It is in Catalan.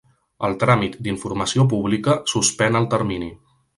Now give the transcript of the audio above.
El tràmit d'informació pública suspèn el termini.